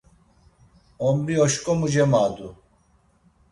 Ombri oşǩomu cemadu.